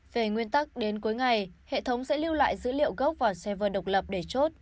về nguyên tắc đến cuối ngày hệ thống sẽ lưu lại dữ liệu gốc vào xever độc lập để chốt